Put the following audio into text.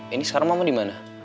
ini sekarang mama dimana